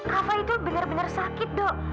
kak fah itu bener bener sakit dok